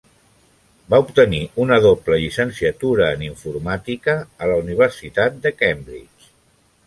Va obtenir una doble llicenciatura en informàtica a la Universitat de Cambridge.